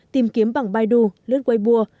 tìm kiếm bằng baidu lướt quay bua